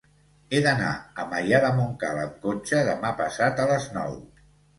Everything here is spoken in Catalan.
He d'anar a Maià de Montcal amb cotxe demà passat a les nou.